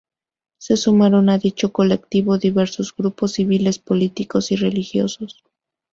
Se sumaron a dicho colectivo diversos grupos civiles, políticos y religiosos.